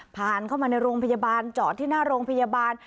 ผ่านเข้ามาในโรงพยาบาลจอดที่หน้าโรงพยาบาล